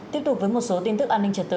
tiếp tục với một số tin tức an ninh trật tự